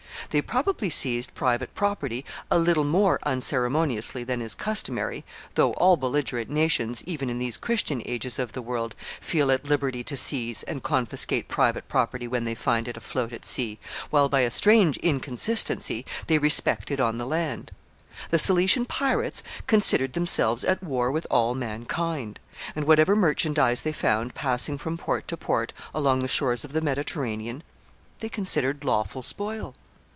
They probably seized private property a little more unceremoniously than is customary; though all belligerent nations, even in these Christian ages of the world, feel at liberty to seize and confiscate private property when they find it afloat at sea, while, by a strange inconsistency, they respect it on the land. The Cilician pirates considered themselves at war with all mankind, and, whatever merchandise they found passing from port to port along the shores of the Mediterranean, they considered lawful spoil.